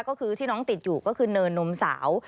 ก็คือที่น้องติดอยู่ก็คือเนินนมสาว